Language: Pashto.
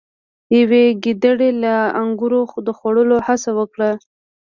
یوې ګیدړې له انګورو د خوړلو هڅه وکړه.